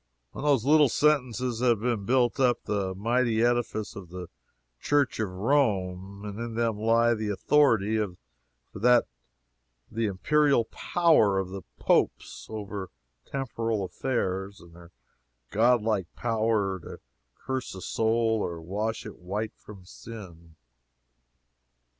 On those little sentences have been built up the mighty edifice of the Church of Rome; in them lie the authority for the imperial power of the Popes over temporal affairs, and their godlike power to curse a soul or wash it white from sin.